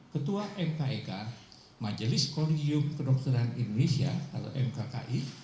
ketua mkek majelis kolegium kedokteran indonesia atau mkki